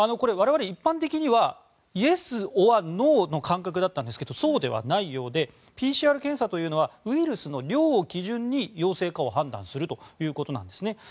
我々、一般的にはイエス・オア・ノーの感覚だったんですがそうではないようでＰＣＲ検査というのはウイルスの量を基準に陽性かを判断するということなんですね。